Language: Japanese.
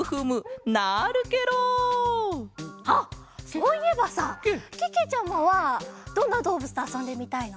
そういえばさけけちゃまはどんなどうぶつとあそんでみたいの？